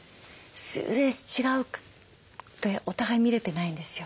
すれ違ってお互い見れてないんですよ。